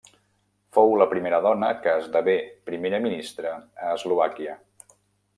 Fou la primera dona que esdevé primera ministra a Eslovàquia.